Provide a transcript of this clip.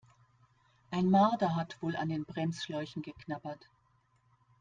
Ein Marder hat wohl an den Bremsschläuchen geknabbert.